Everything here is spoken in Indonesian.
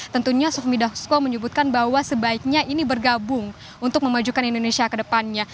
tentunya sufmi dasko menyebutkan bahwa sebaiknya ini bergabung untuk memajukan indonesia ke depannya